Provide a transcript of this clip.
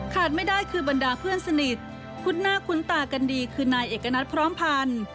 ไม่ได้คือบรรดาเพื่อนสนิทคุดหน้าคุ้นตากันดีคือนายเอกณัฐพร้อมพันธ์